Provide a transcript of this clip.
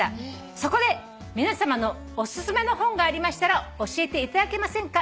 「そこで皆さまのお薦めの本がありましたら教えていただけませんか？